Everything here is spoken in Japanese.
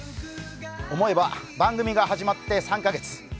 思えば番組が始まって３カ月。